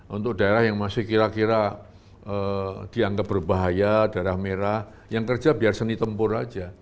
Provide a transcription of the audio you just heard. untuk daerah yang masih kira kira dianggap berbahaya daerah merah yang kerja biar seni tempur aja